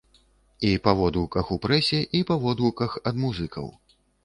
І па водгуках у прэсе, і па водгуках ад музыкаў.